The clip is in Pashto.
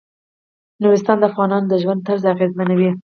نورستان د افغانانو د ژوند طرز اغېزمنوي.